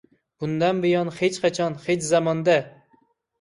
Bundan buyon hech qachon, hech zamonda